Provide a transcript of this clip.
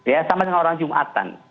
ya sama dengan orang jumatan